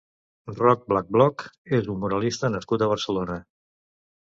Roc Blackblock és un muralista nascut a Barcelona.